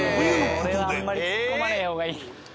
これはあんまり突っ込まない方がいい。